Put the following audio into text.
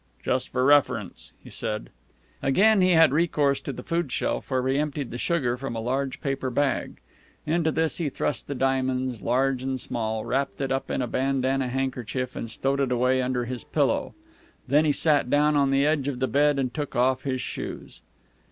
"Just for reference," he said. Again he had recourse to the food shelf, where he emptied the sugar from a large paper bag. Into this he thrust the diamonds, large and small, wrapped it up in a bandana handkerchief, and stowed it away under his pillow. Then he sat down on the edge of the bed and took off his shoes.